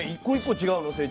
１個１個違うの？